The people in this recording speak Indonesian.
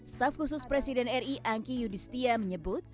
staf khusus presiden ri angki yudhistia menyebut